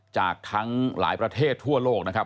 จากทั้งหลายประเทศทั่วโลกนะครับ